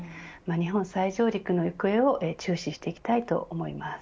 日本再上陸の行方を注視していきたいと思います。